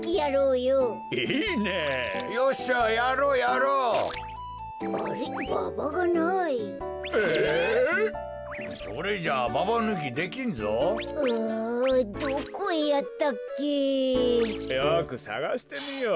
よくさがしてみよう。